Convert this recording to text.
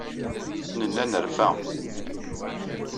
Nella nerfa.